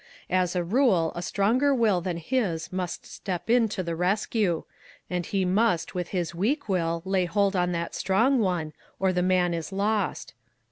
As a rule, a stronger will than his must step in to the rescue, and he must with his weak will lay hold on that strong one, or the man is lost.